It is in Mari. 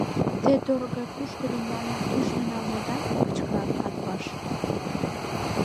Те торык гай пушкыдо мландым кӱшнӧ налнеда! — кычкырале Атбаш.